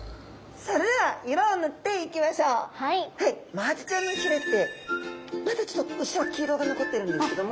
マアジちゃんのひれってまだちょっとうっすら黄色が残ってるんですけども。